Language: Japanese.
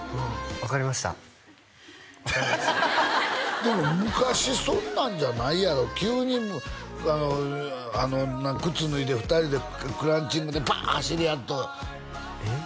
分かりましたでも昔そんなんじゃないやろ急に靴脱いで２人でクラウチングでバーッ走り合ってえっ？